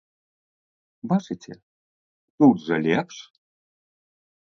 Бачыце, тут жа лепш?